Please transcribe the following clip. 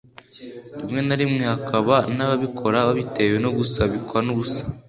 rimwe na rimwe hakaba n’ababikora babitewe no gusabikwa n’ubusa